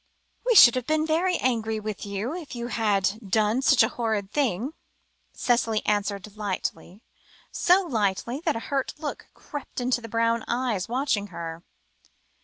"We should have been very angry with you if you had done such a horrid thing," Cicely answered lightly, so lightly, that a hurt look crept into the brown eyes watching her.